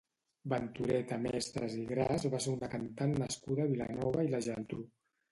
Ventureta Mestres i Gras va ser una cantant nascuda a Vilanova i la Geltrú.